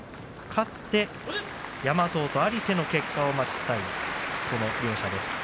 勝って山藤と有瀬の結果を待ちたい両者です。